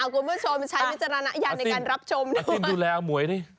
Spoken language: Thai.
คุณผู้ชมใช้วิจารณาอย่างในการรับชมด้วย